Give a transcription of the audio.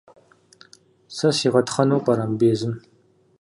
Сэ сигъэтхъэну пӏэрэ мыбы езым?